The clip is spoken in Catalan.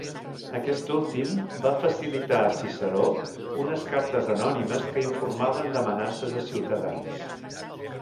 Aquest últim va facilitar a Ciceró unes cartes anònimes que informaven d'amenaces a ciutadans.